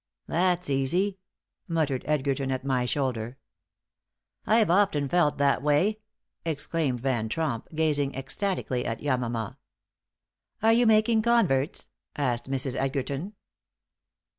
"That's easy," muttered Edgerton, at my shoulder. "I've often felt that way," exclaimed Van Tromp, gazing ecstatically at Yamama. "Are you making converts?" asked Mrs. Edgerton.